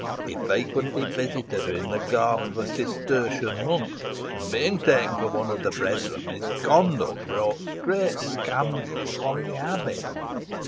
He frequently visited her in the garb of a Cistertian monk, and, being taken for one of the brethren, his conduct brought great scandal upon the Abbey.